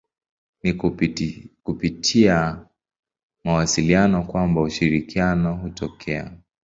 Ni kupitia mawasiliano kwamba ushirikiano hutokea.